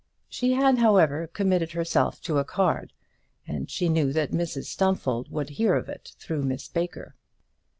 She had, however, committed herself to a card, and she knew that Mrs Stumfold would hear of it through Miss Baker.